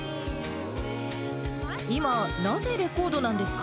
今、なぜレコードなんですか？